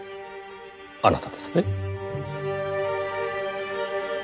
あなたですね？